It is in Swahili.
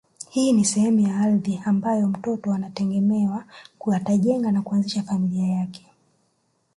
Hii ni sehemu ya ardhi ambayo mtoto anategemewa atajenga na kuanzisha familia yake